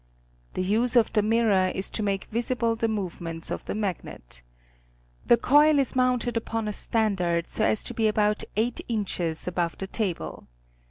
The use of the mirror is to make visible the movements of the magnet. The coil is mounted upon a standard so as to be about eight inches above the table.